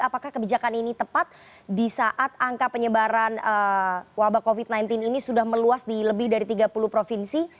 apakah kebijakan ini tepat di saat angka penyebaran wabah covid sembilan belas ini sudah meluas di lebih dari tiga puluh provinsi